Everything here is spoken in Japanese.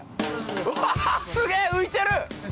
うわぁすげぇ浮いてる！